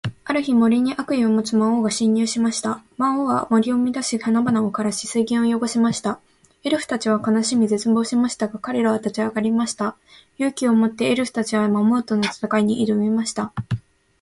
ある日、森に悪意を持つ魔王が侵入しました。魔王は森を乱し、花々を枯らし、水源を汚しました。エルフたちは悲しみ、絶望しましたが、彼らは立ち上がりました。勇気を持って、エルフたちは魔王との戦いに挑みました。